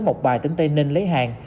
một bài tính tây ninh lấy hàng